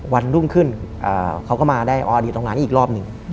วันรุ่งขึ้นเขาก็มาได้ออดีตรงงานนี้อีกรอบหนึ่ง